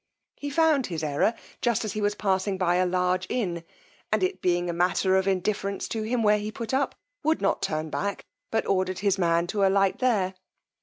He found his error just as he was passing by a large inn, and it being a matter of indifference to him where he put up, would not turn back, but ordered his man to alight here.